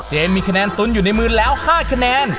มีคะแนนตุ้นอยู่ในมือแล้ว๕คะแนน